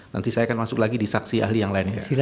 nanti saya akan masuk lagi di saksi ahli yang lainnya